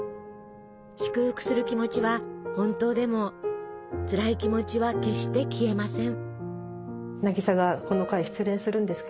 祝福する気持ちは本当でもつらい気持ちは決して消えません。